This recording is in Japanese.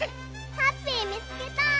ハッピーみつけた！